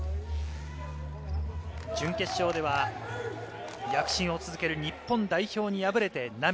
準決勝では躍進を続ける日本代表に敗れて涙。